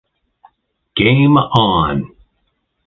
Game On!